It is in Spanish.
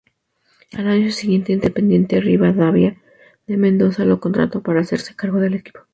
Al año siguiente Independiente Rivadavia de Mendoza lo contrató para hacerse cargo del equipo.